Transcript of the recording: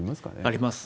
あります。